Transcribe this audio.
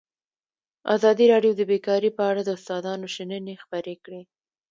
ازادي راډیو د بیکاري په اړه د استادانو شننې خپرې کړي.